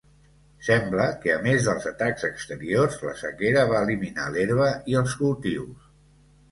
Sembla que a més dels atacs exteriors, la sequera va eliminar l'herba i els cultius.